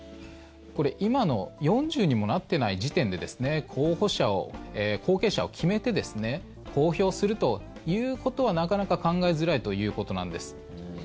これ、今の４０にもなってない時点で後継者を決めて公表するということはなかなか考えづらいということなんです。